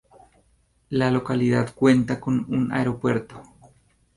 La localidad cuenta con un aeropuerto.